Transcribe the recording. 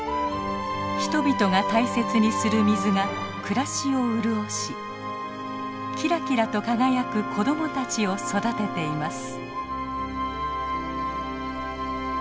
人々が大切にする水が暮らしを潤しキラキラと輝く子供たちを育てています。